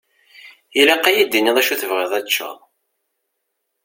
Ilaq ad yi-d-tiniḍ d acu i tebɣiḍ ad teččeḍ.